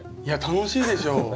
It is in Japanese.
いや楽しいでしょ。